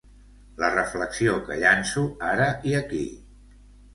La reflexió que llanço ara i aquí.